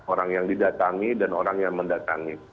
orang yang didatangi dan orang yang mendatangi